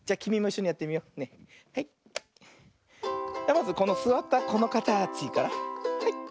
まずこのすわったこのかたちからはい。